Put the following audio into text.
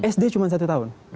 sd cuma satu tahun